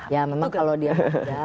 ya memang kalau dia muda